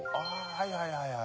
はいはいはい。